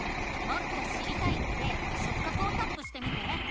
「もっと知りたい」で「しょっ角」をタップしてみて。